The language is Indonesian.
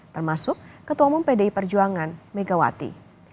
termasuk ketua umum pdi perjuangan megawati